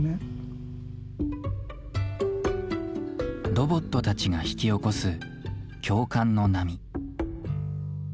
ロボットたちが引き起こす共感の波。